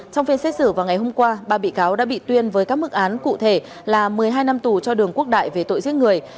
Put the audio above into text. trong phiên xét xử vào ngày hôm qua ba bị cáo đã bị tuyên với các mức án cụ thể là một mươi hai năm tù cho đường quốc đại về tội giết người